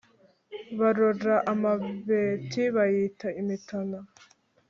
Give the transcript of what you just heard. Barora amabeti, bayita imitana;